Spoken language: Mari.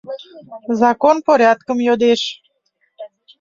Закон порядкым йодеш.